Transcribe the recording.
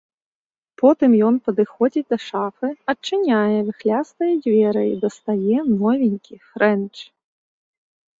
Потым ён падыходзіць да шафы, адчыняе віхлястыя дзверы і дастае новенькі фрэнч.